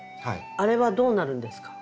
あれはどうなるんですか？